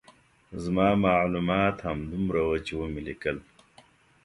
زما معلومات همدومره وو چې ومې لیکل.